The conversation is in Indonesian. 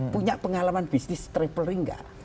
punya pengalaman bisnis traveling nggak